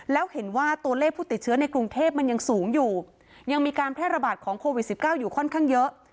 แล้วเห็นว่าตัวเลขผู้ติดเชื้อในกรุงเทพมันยังสูงอยู่ยังมีการแพร่ระบาดของโควิด๑๙อยู่ค่อนข้างเยอะ